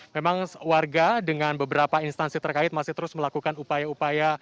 memang warga dengan beberapa instansi terkait masih terus melakukan upaya upaya